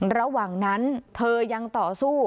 ระหว่างนั้นเธอยังต่อสู้